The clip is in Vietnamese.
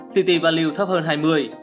ct value thấp hơn hai mươi